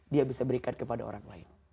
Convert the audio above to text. dia bisa berikan kepada orang lain